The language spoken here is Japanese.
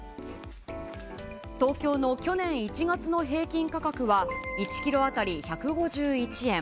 東京の去年１月の平均価格は１キロ当たり１５１円。